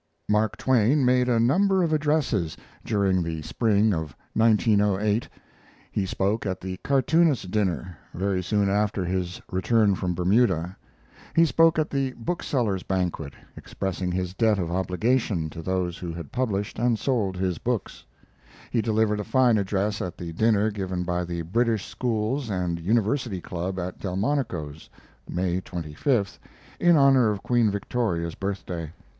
] Mark Twain made a number of addresses during the spring of 1908. He spoke at the Cartoonists' dinner, very soon after his return from Bermuda; he spoke at the Booksellers' banquet, expressing his debt of obligation to those who had published and sold his books; he delivered a fine address at the dinner given by the British Schools and University Club at Delmonico's, May 25th, in honor of Queen Victoria's birthday.